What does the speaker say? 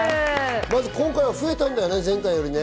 今回増えたんだよね、前回よりも。